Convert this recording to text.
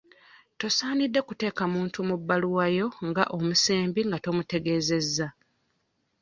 Tosaanidde kuteeka muntu mu bbaluwa yo nga omusembi nga tomutegeezezza.